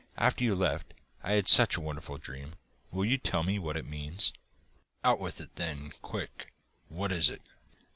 After you left, I had such a wonderful dream. Will you tell me what it means?' 'Out with it then, quick! What was it?